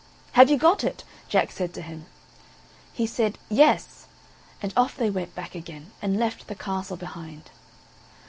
"Have you got it?" Jack said to him; he said: "Yes;" and off they went back again, and left the castle behind.